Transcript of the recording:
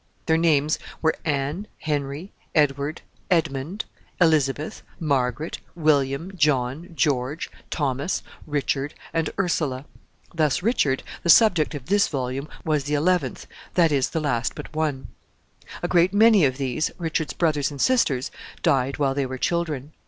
Their names were Anne, Henry, Edward, Edmund, Elizabeth, Margaret, William, John, George, Thomas, Richard, and Ursula. Thus Richard, the subject of this volume, was the eleventh, that is, the last but one. A great many of these, Richard's brothers and sisters, died while they were children.